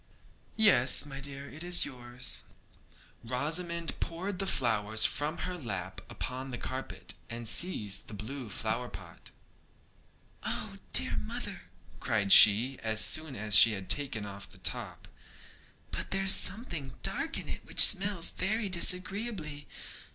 'Yes, my dear! it is yours.' Rosamond poured the flowers from her lap upon the carpet, and seized the blue flower pot. 'Oh, dear mother,' cried she, as soon as she had taken off the top, 'but there's something dark in it which smells very disagreeably.